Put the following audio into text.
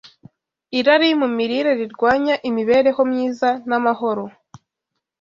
Irari mu mirire rirwanya imibereho myiza n’amahoro